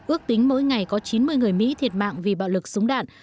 ước tính mỗi ngày có chín mươi người mỹ thiệt mạng vì bạo lực súng đạn